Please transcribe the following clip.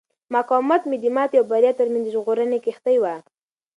مقاومت مې د ماتې او بریا ترمنځ د ژغورنې کښتۍ وه.